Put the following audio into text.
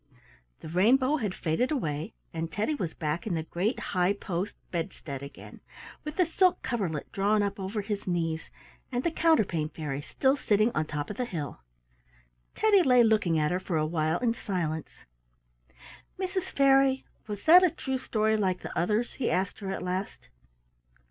The rainbow had faded away, and Teddy was back in the great high post bedstead again, with the silk coverlet drawn up over his knees, and the Counterpane Fairy still sitting on top of the hill. Teddy lay looking at her for a while in silence. "Mrs. Fairy, was that a true story like the others?" he asked her at last.